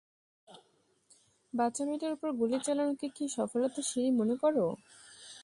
বাচ্চা মেয়েটার উপর গুলি চালানোকে কি সফলতার সিঁড়ি মনে করো?